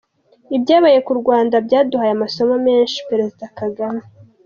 Ibyabaye ku Rwanda byaduhaye amasomo menshi Perezida Kagame